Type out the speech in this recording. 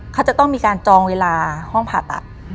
เขาจะต้องมีการจองเวลาห้องผ่าตัด